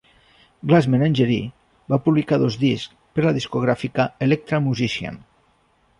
Glass Menagerie va publicar dos discs per la discogràfica Elektra Musician.